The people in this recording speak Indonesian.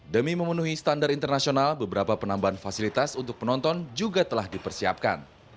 demi memenuhi standar internasional beberapa penambahan fasilitas untuk penonton juga telah dipersiapkan